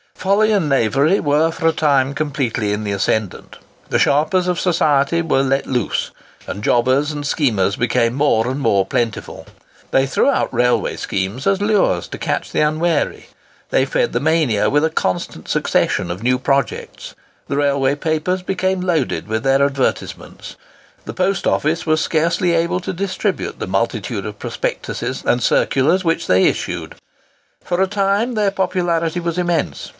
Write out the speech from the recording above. Folly and knavery were, for a time, completely in the ascendant. The sharpers of society were let loose, and jobbers and schemers became more and more plentiful. They threw out railway schemes as lures to catch the unwary. They fed the mania with a constant succession of new projects. The railway papers became loaded with their advertisements. The post office was scarcely able to distribute the multitude of prospectuses and circulars which they issued. For a time their popularity was immense.